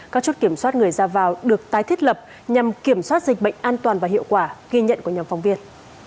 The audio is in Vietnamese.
các chốt kiểm soát người ra vào được tái thiết lập nhằm kiểm soát dịch bệnh an toàn và hiệu quả ghi nhận của nhóm phóng viên